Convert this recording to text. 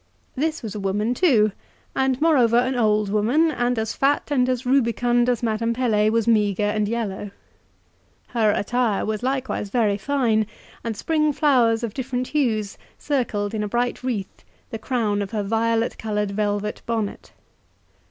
This was a woman, too, and, moreover, an old woman, and as fat and as rubicund as Madame Pelet was meagre and yellow; her attire was likewise very fine, and spring flowers of different hues circled in a bright wreath the crown of her violet coloured velvet bonnet.